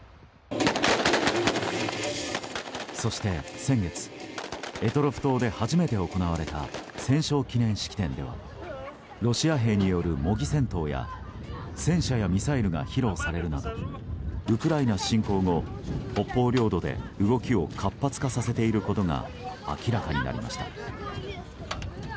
そして先月択捉島で初めて行われた戦勝記念式典ではロシア兵による模擬戦闘や戦車やミサイルが披露されるなどウクライナ侵攻後、北方領土で動きを活発化させていることが明らかになりました。